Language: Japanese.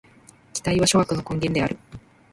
期待は諸悪の根源である。